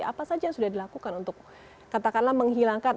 apa saja yang sudah dilakukan untuk menghilangkan atau meminimalisir disahkan